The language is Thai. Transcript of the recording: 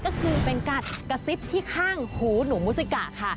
ก็คือเป็นการกระซิบที่ข้างหูหนูมูซิกะค่ะ